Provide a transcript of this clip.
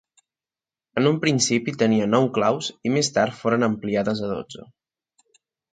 En un principi tenia nou claus i més tard foren ampliades a dotze.